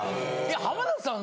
浜田さん